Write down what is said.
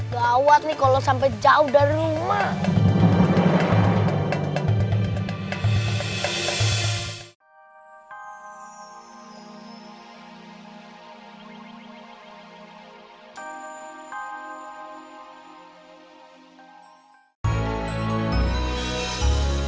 gawat nih kalau sampai jauh dari rumah